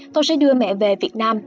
tôi sẽ đưa mẹ về việt nam